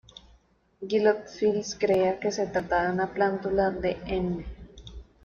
Guillot Fils creía que se trataba de una plántula de 'Mme.